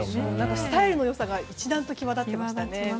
スタイルの良さが一段と際立っていました。